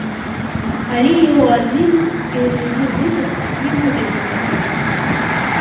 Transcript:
Але і ў адным, і ў другім выпадку не будзе дэмакратыі.